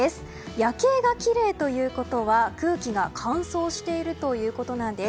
夜景がきれいということは空気が乾燥しているということなんです。